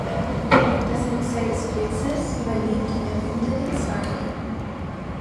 Das Myzel des Pilzes überlebt in der Rinde der Zweige.